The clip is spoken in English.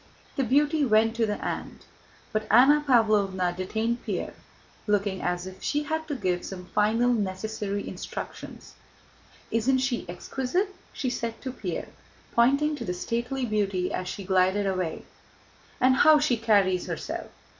The beauty went to the aunt, but Anna Pávlovna detained Pierre, looking as if she had to give some final necessary instructions. "Isn't she exquisite?" she said to Pierre, pointing to the stately beauty as she glided away. "And how she carries herself!